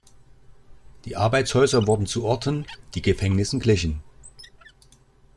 Die Arbeitshäuser wurden zu Orten, die Gefängnissen glichen.